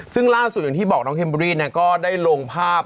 ซึ่งล่าสุดอย่างที่บอกน้องเมอรี่ก็ได้ลงภาพ